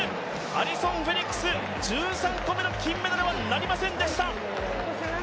アリソン・フェリックス１３個目の金メダルはなりませんでした。